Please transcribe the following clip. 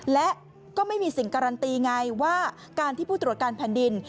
และก็ไม่มีสิ่งการันตีไงว่าการที่ผู้ตรวจการแผ่นดิน